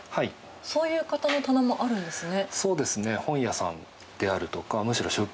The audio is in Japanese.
そういう方の棚もあるんですね。